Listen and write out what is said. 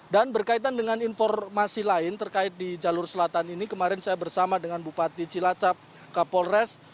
dan berkaitan dengan informasi lain terkait di jalur selatan ini kemarin saya bersama dengan bupati cilacap kapolres